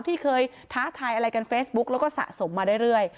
ที่เคยท้าทายอะไรกันเฟซบุ๊กแล้วก็สะสมมาเรื่อย